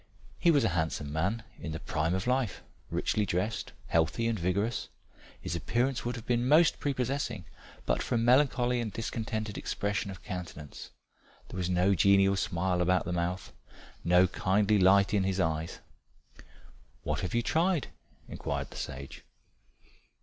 He was a handsome man in the prime of life, richly dressed, healthy and vigorous. His appearance would have been most prepossessing but for a melancholy and discontented expression of countenance there was no genial smile about the mouth, no kindly light in the eyes. "What have you tried?" inquired the sage.